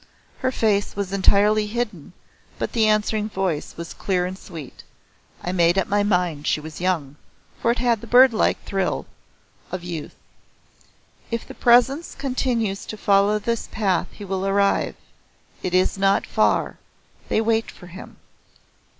Her face was entirely hidden, but the answering voice was clear and sweet. I made up my mind she was young, for it had the bird like thrill of youth. "If the Presence continues to follow this path he will arrive. It is not far. They wait for him."